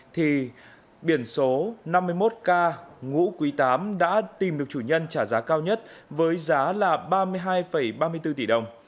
thì biển số năm mươi một k ngũ quý tám đã tìm được chủ nhân trả giá cao nhất với giá là ba mươi hai ba mươi bốn tỷ đồng